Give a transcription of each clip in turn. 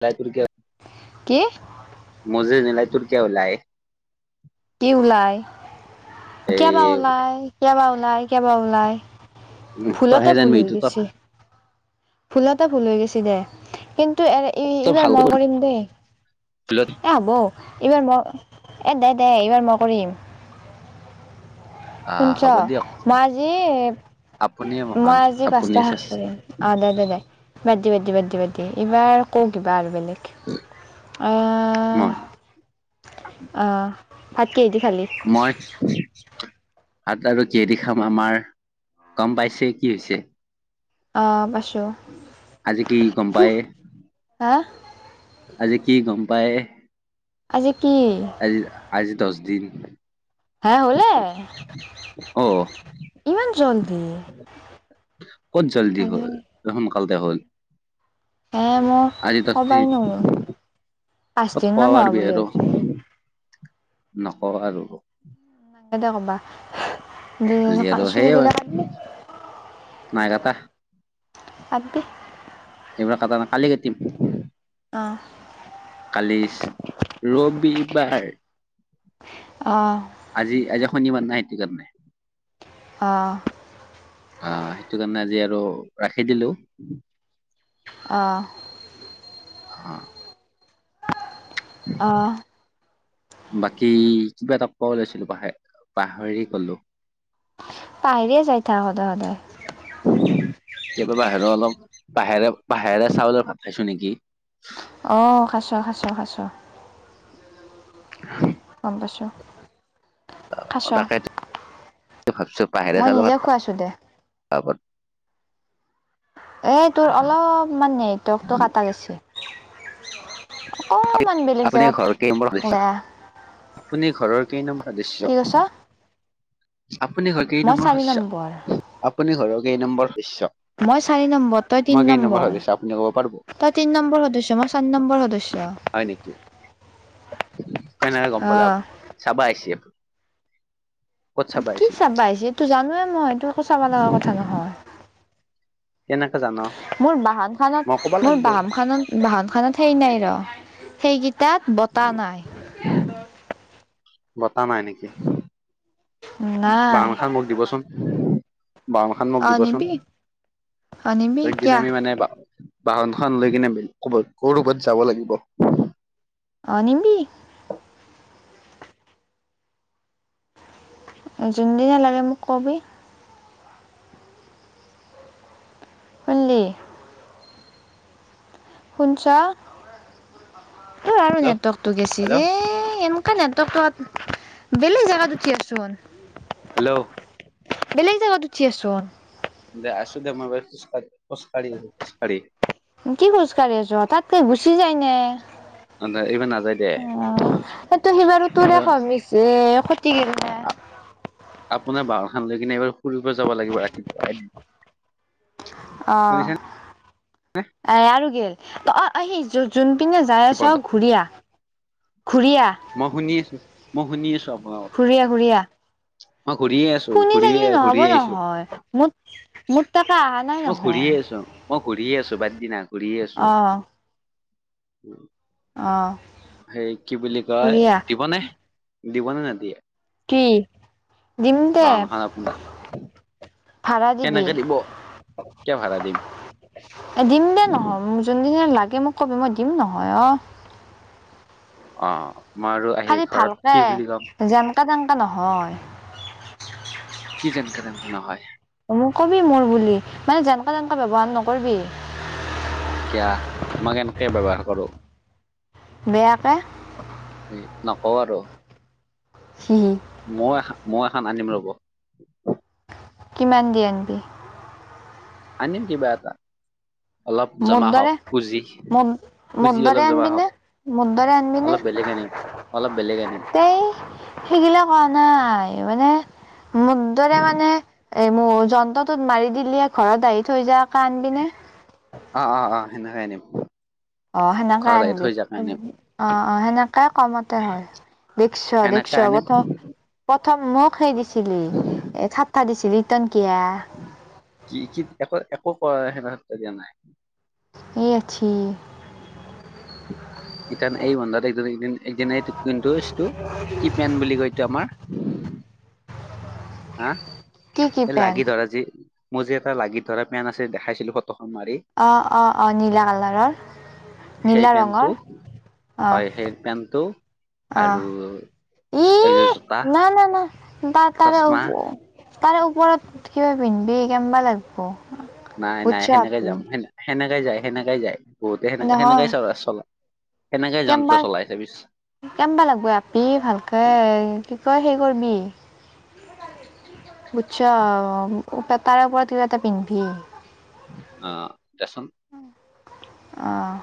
[unintelligible] কি মো জে নিলয়তু কিয় ওলায়? কি ওলাই? কিয়া এই বা ওলাই, কিয়া বা ওলাই, কিয়া বা ওলাই? ভুলতে তইহে ভুল জানিবি হৈ এইটো তই গৈছি। ভুলতে ভুল হৈ গৈছে দে, কিন্তু তই এইবাৰ ভাল মই কৰিম দে। [unintelligible] এই হ'ব এইবাৰ মই- এ দে দে এইবাৰ মই কৰিম। আহ শুন-ছ? হ'ব দিয়ক মই আজি আপুনিয়ে মহান মই আজি পাঁচটা আপুনিয়ে শাক শ্ৰেষ্ঠ কৰিম। অঁ দে দে দে, বাদ দি বাদ দি বাদ দি বাদ দি, এইবাৰ কওঁক কিবা আৰু বেলেগ? [inaudible] অ্ মই অ ভাত কিহেদি খালি? মই ভাত আৰু কিহেদি খাম আমাৰ গম পাইছেই কি হৈছে। অ'পাইছোঁ। আজি কি গম পায়? হা? আজি কি গম পায়? আজি কি? আজি, আজি দছ দিন। হে হ'লে? অ ইমান জল্দি? ক'ত জল্দি হ'ল? হয়, দে সোনকালতে হ'ল। হে মই আজি দহ ক'বাই দিন নৰু। ক'ত পাঁচদিন ক'ব মান হোৱা পাৰিবি বুলি আৰু ভাবছিলো। নকওঁ আৰু নাংগে দে ক'বা। খালি আৰু [unintelligible] সেয়ে চুলি-টুলি কা নাই কাটা। [unintelligible] এইবাৰ কটা নাই, কালি কাটিম। অ'। কালিছ ৰবিবাৰ। অ'। আজি- আজি শনিবাৰ না, সেইটো কাৰণে। অ'। অ', সেইটো কাৰণে আজি আৰু ৰাখি দিলোঁ। অ'। অ'। অ'। [inaudible] বাকী কিবা এটা ক'ব লৈছিলো পাহে- পাহৰি গ'লোঁ। পাহেৰিয়ে যাই থাক সদায় সদায়। [unintelligible] কিবা বা বাহিৰৰ অলপ পাহেৰা- পাহেৰা চাউলৰ ভাত খাইছোঁ নেকি? অ', খাইছ, খাইছ, খাইছ। [unintelligible] গম পাইছোঁ। তাকেটো ভাবছোঁ পাহেৰা মই চাউলৰ নিজে ভাত খুৱাইছো দে [unintelligible] এ তোৰ অলপমান নেটৱৰ্কটো কাটা গেছি। অকণমান বেলেগ আপুনি ঘৰ কেই জেগাত নম্বৰ সদস্য ওলাই আহ। আপুনি ঘৰৰ কেই নং কি সদস্য? কৈছ আপুনি হয় কেই মই নম্বৰ চাৰি শস্য? আপুনি ঘৰৰ কেই নম্বৰ সদস্য? মই চাৰি নম্বৰ, তই তিন নম্বৰ। নব পাৰবো? তই তিন নম্বৰ সদস্য, মই চাৰ নম্বৰ সদস্য। হয় নেকি? কেনেকে গম অ পালে আপুনি? চাবা আহিছি আ কি চাবা আহিছি? এইটো জানোৱে মই, এইটো একো চাবা লাগা কথা নহয়। কেনেকে জান? মোৰ মই বাহানখানত- ক'বা মোৰ লাগিব বামখনত- বাহনখনত সেই নাই ৰ, সেই তাত বতাহ নাই। বতাহ নাই নেকি? নাই বাহনখান মোক দিবচোন। বা খান মোক অ দিবচোন। নিবি অ নিবি একদিন কিয়া আমি মানে বাহনখান লৈ কেনে কবাত- ক'ৰবাত যাব লাগিব। আনিবি যোনদিনা লাগে মোক ক'বি। শুনলি? শুনছ ত আৰু হেল্ল' নেটৱৰ্কটো গেছি হেল্ল' এন [unintelligible] বেলেগ জেগাত উঠি হেল্ল' আছোন। আছো দে মই খুচকাঢ়ি, খুচকাঢ়ি, খুচকাঢ়ি কি খোজকাঢ়ি আছ? তাতকে গুচি যা ইনে। এইবাৰ নাযায় দে [unintelligible] আপোনাৰ বাহৰখন লৈ কিনে এইবাৰ ফুৰিব পৰা যাব লাগিব ৰাতিপুৱা এদিন। অ শুনিছে আৰু গেল অ যো-যোন পিছে যায় আছ নে? ঘূৰিয়া ঘূৰিয়া শুনি আছো, মই শুনি আছো আপ ঘূৰিয়া ঘূৰিয়া ঘূৰিয়ে আছো শুনি ঘূৰিয়ে থাকিলে ঘূৰি নহ'ব আহিছো নহয় [unintelligible] মই ঘূৰি আছো, মই ঘূৰিয়ে আছো বাদ দিনা ঘূৰিয়ে অ আছো। অ সেই কি বুলি কয় ঘূৰিয়া দিবনে? দিবনে নে দিয়ে? কি? দিম দে। বাহনখন আপোনাৰ ভাড়া দিবি। কেনেকে দিব কিয় ভাড়া দিম এ দিম দে নহয়। যোন দিনা লাগে মোক কবি মই দিম নহয় অ। অ মই আৰু আহি খালি ঘৰত ভালকে কি বুলি কম। যেনকা তেনকা নহয় কি যেনকে তেনকে নহয় মোৰ কবি মোৰ বুলি। মানে যেনেকা তেনকা ব্যৱহাৰ নকৰিবি। কিয়া মই কেনকে ব্যৱহাৰ কৰোঁ? বেয়াকে নকও আৰু। [unintelligible] মই-মই এখন আনিম ৰ'ব। কিমান দি আনিবি? আনিম কিবা এটা মোৰ জমা হওঁক দৰে পূজি। ম পূজি মদদাৰে অলপ জমা আনিবি হওঁক। নে মদদাৰে আনিবি বেলেগ আনিম, অলপ বেলেগ আনিম এই সেইগিলা কোৱা নাই। মানে মুদ্দাৰে মানে এ মোৰ যন্ত্ৰটোত মাৰি দিলে ঘৰত আহি থৈ যায়কে আনিবি নে? অ অ সেনকাই আনিম। অ সেনকাই ঘৰত আহি আনিবি। থৈ যোৱাকে আনিম অ অ সেনকাই কমতে হয়। সেনেকে আনিম [unintelligible] প্ৰথম মোক সেই দিছিলি, এ চাটটা দিছিলি টনকিয়? কি কি একো একো কৰা সে ঠাট্টা দিয়া নাই। [unintelligible] [inaudible] [unintelligible] কি কি এই পেণ্ট লাগি ধৰা যি, মোৰ যি এটা লাগি ধৰা পেন আছে দেখাইছিলো ফটোখন মাৰি অ অ নীলা কালাৰৰ, নীলা ৰঙৰ অ। পেন্টটো অ আৰু এই যে জোতা বা তাৰে চচমা তাৰে ওপৰত কিবা পিন্ধবি কেনবা লাগব? নাই নাই বুজছ সেনেকে আপি যাম সে সেনেকে যায় সেনেকে যায় বহুতে সেনে সেনেকাই নহয় চলা চলা কেনেকে যন্ত্ৰ কেনবা চলাই ছাবি কেনবা লাগব আপি ভালকে কি কয় সেই কৰবি বুতছ ত তাৰে ওপৰত কিবা এটা পিন্ধবি। অহ দেচোন। অঁহ।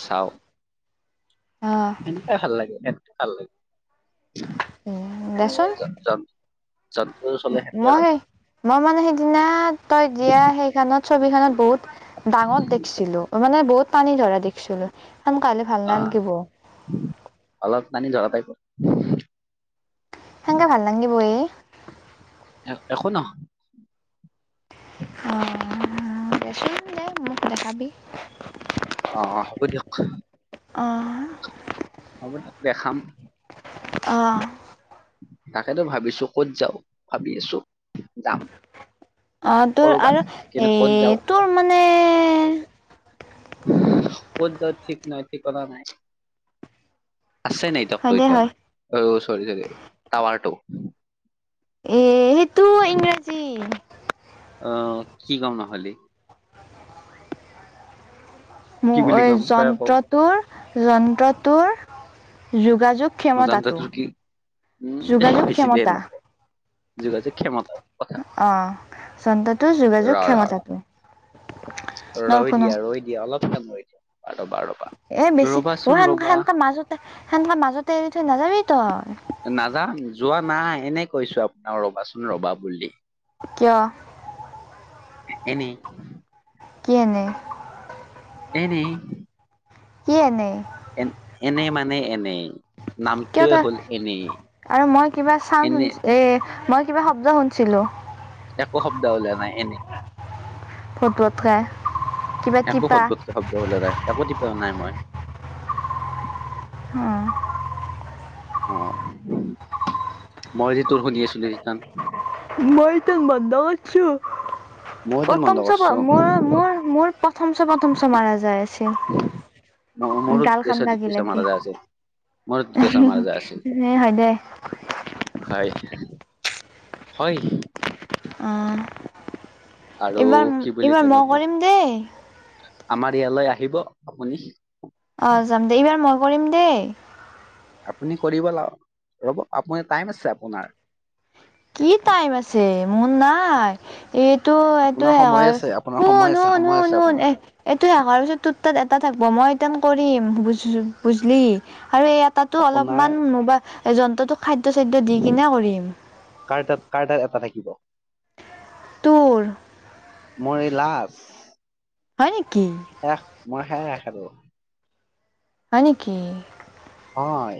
চাও। অ সেনেকেই ভাল লাগে, সাই ভাল লাগে, সেনেকাই দেচোন জন জন জন্তুৰ মই মই মানে সেইদিনা তই দিয়া সেইখনত ছবিখনত বহুত ডাঙত দেখিছিলো মানে বহুত টানী ধৰা দেখিছিলো, সেনকা হলে ভাল আহ নালগিব। অলপ টানি ধৰা টাইপৰ। সেনেকে ভাল নাংগিব এই! একো নহ অহ দে চোন দে মোক দেখাবি। অহ হ'ব দিয়ক। অহ। হ'ব দিয়ক দেখাম। অঁ। তাকেতো ভাবিছো ক'ত যাওঁ, ভাবি আছো যাম। অহ তোৰ কৰবাত আৰু এ কিন্তু ক'ত যাওঁ তোৰ মানে ক'ত যাওঁ ঠিক নাই, ঠিকনা নাই। আছে নেকি হয় দে হয় [unintelligible] অঁ চৰী চৰী টাৱাৰটোটো। এ সেইটো ইংৰাজী অহ কি কম নহলি? কি মোৰ বুলি এই ক'ম তই কও যন্ত্ৰটোৰ যন্ত্ৰটোৰ যোগাযোগ জানতো ক্ষমতাটো, তোৰ কি উম যোগাযোগ বেছি দেৰি ক্ষমতা। নকওঁ যোগাযোগ ক্ষমতাৰ কথা অহ যন্ত্ৰটোৰ ৰ যোগাযোগ ৰ ক্ষমতাটো। ৰৈ নৰখনো দিয়া ৰৈ দিয়া অলপ সময় ৰৈ দিয়া ৰবা ৰবা। এ বেছি অহ ৰবাচোন সেনকা ৰবা সেনকা মাজতে সেনকা মাজতে এৰি থৈ নাযাবি তই। নাজাং যোৱা নাই, এনেই কৈছো আপোনাক ৰবাচোন ৰ'বা বুলি। কিয়? এনেই। কি এনে? এনেই। কি এনেই? এন এনে মানে এনেই। কিয় নামটোৱে তই হ'ল এনেই আৰু মই কিবা চান এনে শুন এ মই কিবা শব্দ শুনছিলো। একো শব্দ ওলা নাই এনেই। ফত ফতহে। একো ফত ফতকে শব্দ ওলা নাই, একো থিক কৰা নাই মই। অঁ। অঁহ মই যে তোৰ শুনি আছিলো সিতান। মই তো বন্ধ কৰছো। মই তোৰ বন্ধ প্ৰথম চ কৰছো মোৰ মোৰ মোৰ প্ৰথম চ প্ৰথম চ মাৰা যায় আছে। মো-মোৰো দ্বিতীয় ছ দ্বিতীয় ছ মাৰা যায় আছে। [unintelligible] হয় দে। হয়, হয়। অ', আৰু কি বুলি এইবাৰ-এইবাৰ কয় ন মই কৰিম দেই। আমাৰ ইয়ালৈ আহিব আপুনি। অ', যাম দে, এইবাৰ মই কৰিম দেই। আপুনি কৰিব ল ৰ'ব আপুনি টাইম আছে আপোনাৰ। কি টাইম আছে মোৰ নাই। এইটো এইটো আপোনাৰ সময় আৰ আছে আপোনাৰ সময় আছে সময় আছে শুন-শুন-শুন-শুন আপোনাৰ এ এইটো শেষ হোৱাৰ পিছত তোৰ তাত এটা থাকিব, মই এটান কৰিম বুজ-বুজলি আৰু ইয়াত তাতো আপোনাৰ অলপমান মোবা যন্ত্ৰটোক খাদ্য-চাদ্য দি কিনে কৰিম। কাৰ তাত কাৰ তাত, এটা থাকিব তোৰ মোৰ এই লাষ্ট। হয় নেকি? শেষ মোৰ শেষ আৰু। হয় নেকি? হয়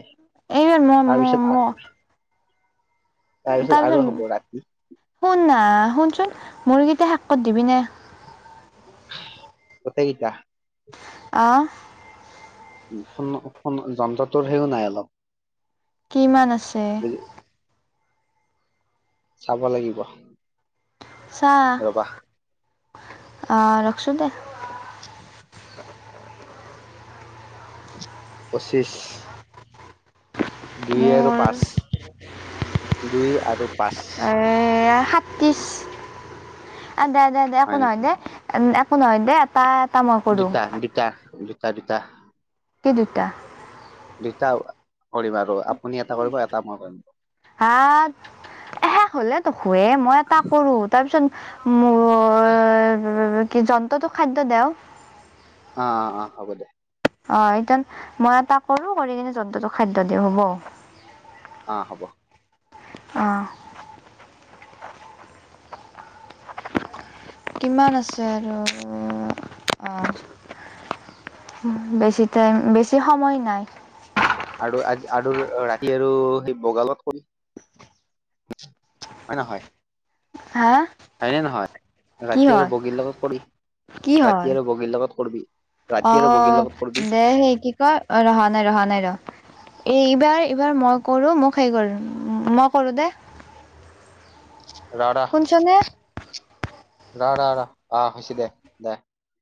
এইবাৰ তাৰপিছত আ- [unintelligible] আৰু হ'ব তাৰপিছত, ৰাতি শুননা শুনচোন মোৰকেইটা শেষ কৰি দিবিনে? গোটেইকেইটা? অ'। ফোন-ফোন যন্ত্ৰাটোৰ সেয়ও নাই অলপ। কিমান আছে? বুজি চাব লাগিব। চা, ৰবা অ', ৰখছো দে। পঁচিছ। দুই আৰু মোৰ পাঁছ, দুই আৰু পাঁচ এ সাতিশ, আ, দে দে দে একো হয় নহয় নেকি দে। উম, একো নহয় দে এতাত। দুটা-দুটা-দুটা-দুটা। কি দুটা? দুটা কৰিম আৰু আপুনি এটা কৰিব এটা মই কৰিম। হা, শেষ হ'লে দোখোৱে মই এটা কৰো তাৰ পিছত [unintelligible] কি যন্ত্ৰটোক খাদ্য দেও। অ', অ', অ', হ'ব দে। অ', ইতান মই এটা কৰো, কৰি কিনে যন্ত্ৰটোক খাদ্য দিওঁ হ'ব? অ', হ'ব। অ'। কিমান আছে আৰু অ'। বেছি টাইম বেছি সময় নাই। আৰু-আৰু ৰাতি আৰু সেই বগালত হয় নহয়? হা? হয় নে নহয়? কি ৰাতি আৰু হয় বগীৰ লগত কৰি, ৰাতি আৰু বগীৰ লগত কৰবি। অ', দে সে কি কয়, অ', ৰ' হোৱা নাই ৰ' হোৱা নাই ৰ'। এইবাৰ-এইবাৰ মই কৰো মোক সেই কৰ, মই কৰো দে। ৰ-ৰ! শুনছনে -ৰ-ৰ-ৰ! অহ হৈছিদে দে।